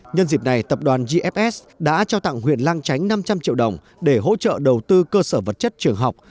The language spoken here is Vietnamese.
nhân dịp này tập đoàn gfs đã trao tặng huyện lang chánh năm trăm linh triệu đồng để hỗ trợ đầu tư cơ sở vật chất trường học